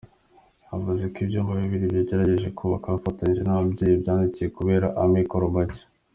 Yavuze ko ibyumba bibiri bagerageje kubaka bafatanyije n’ababyeyi byadindiye kubera amikoro make.